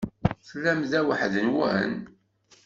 Tellam da weḥd-nwen?